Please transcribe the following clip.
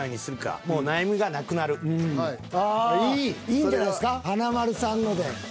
いいんじゃないですか華丸さんので。